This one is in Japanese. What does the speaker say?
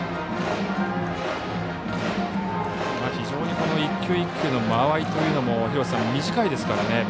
非常に一球一球の間合いというのも短いですからね。